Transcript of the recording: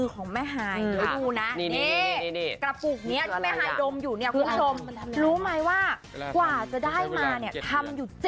ขอนำเสนอหล่นปลาหม่ำ